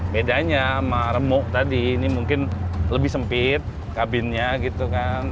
bedanya sama remuk tadi ini mungkin lebih sempit kabinnya gitu kan